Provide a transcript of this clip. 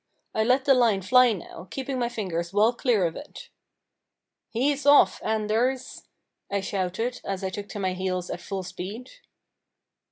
I let the line fly now, keeping my fingers well clear of it. "He's off, Anders!" I shouted, as I took to my heels at full speed.